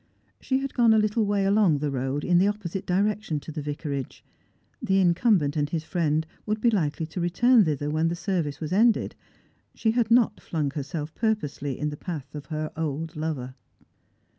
She had gone a little way along the road, in the opposite direction to the vicarage. The incumbent and his friend would be likely to return thither when the ser vice was ended. She had not flung herself purposely in the path of her old lover.